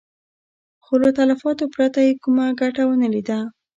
خو له تلفاتو پرته يې کومه ګټه ونه ليده.